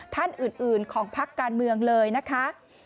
ท่านอื่นของพักการเมืองเลยนะคะ